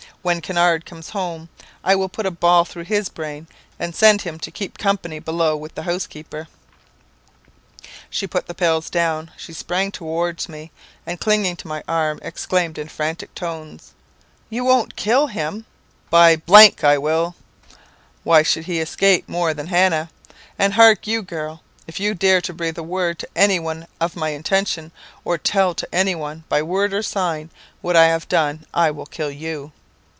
When Kinnaird comes home I will put a ball through his brain, and send him to keep company below with the housekeeper.' "She put down the pails, she sprang towards me, and, clinging to my arm, exclaimed in frantic tones "'You won't kill him?' "'By , I will! why should he escape more than Hannah? And hark you, girl, if you dare to breathe a word to any one of my intention, or tell to any one, by word or sign, what I have done, I'll kill you!'